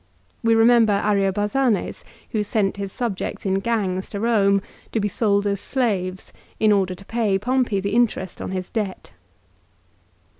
We remember Ariobarzanes who sent his subjects in gangs to Eome to be sold as slaves in order to pay Pompey the interest on his debt.